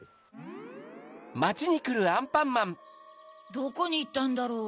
どこにいったんだろう？